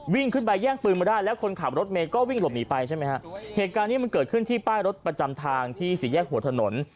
วิ่งขึ้นไปแย่งปืนมาได้แล้วคนขับรถเมย์ก็วิ่งหลบหนีไปใช่ไหมฮะเหตุการณ์นี้มันเกิดขึ้นที่ป้ายรถประจำทางที่สี่แยกหัวถนน